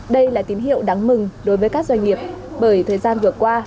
đây là tín hiệu đáng mừng đối với các doanh nghiệp bởi thời gian vừa qua